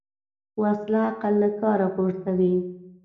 وسله عقل له کاره غورځوي